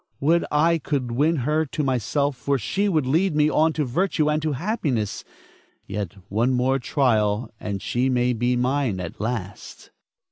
Would I could win her to myself, for she would lead me on to virtue and to happiness. Yet one more trial and she may be mine at last.